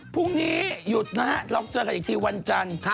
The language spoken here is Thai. พรุ่งนี้หยุดนะครับแล้วเจอกันอีกทีวันจัง